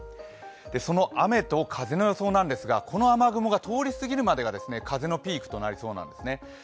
その雨と風の予想なんですがこの雨雲が通り過ぎるまでが風のピークとなりそうなんですね。